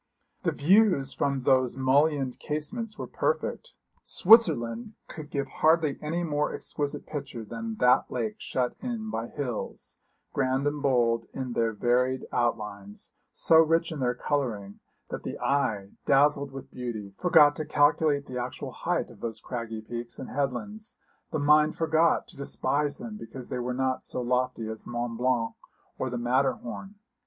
The views from those mullioned casements were perfect. Switzerland could give hardly any more exquisite picture than that lake shut in by hills, grand and bold in their varied outlines, so rich in their colouring that the eye, dazzled with beauty, forgot to calculate the actual height of those craggy peaks and headlands, the mind forgot to despise them because they were not so lofty as Mont Blanc or the Matterhorn.